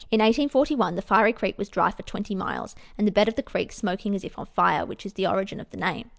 In 1841 the Fiery Creek was dry for 20 miles, the bed of the creek smoking as if on fire, which is the origin of the name.